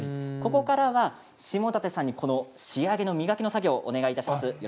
ここからは下舘さんにこの仕上げの磨きの作業をお願いいたします。